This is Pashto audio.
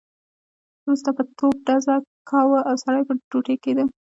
وروسته به توپ ډز کاوه او سړی به ټوټې کېده.